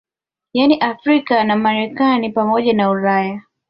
Yani Afrika na Amerika pamoja na Ulaya